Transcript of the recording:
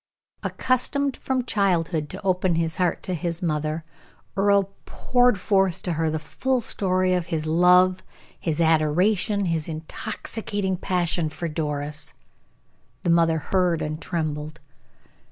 Accustomed from childhood to open his heart to his mother, Earle poured forth to her the full story of his love, his adoration, his intoxicating passion for Doris. The mother heard and trembled.